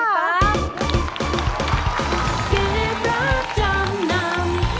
พี่ปั๊กเก็บรับจังนำ